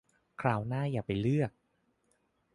คราวหน้าอย่าไปเลือก